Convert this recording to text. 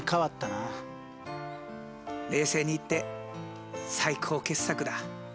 冷静に言って最高傑作だ。